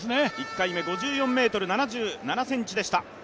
１回目、５４ｍ７７ｃｍでした。